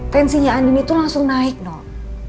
tensinya andin itu langsung naik noh